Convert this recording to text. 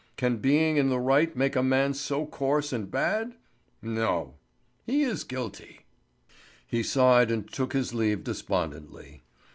Can being in the right make a man so coarse and bad? No! He is guilty!" He sighed and took his leave despondently.